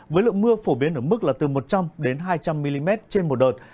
với lượng mưa phổ biến ở mức là từ một trăm linh hai trăm linh mm trên một đợt